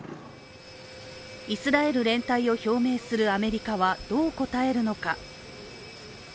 イスラエル連帯を表明するアメリカはどう応えるのか。